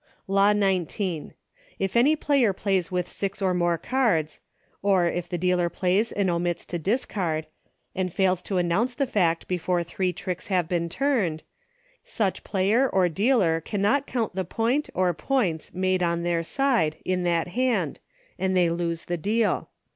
LAWS. 97 Law XIX. If any player plays with six or more cards, or, if the dealer plays and omits to discard, and fails to announce the fact before three tricks have been turned, such player or dealer cannot count the point, or points, made on their side, in that hand, and they lose the deal.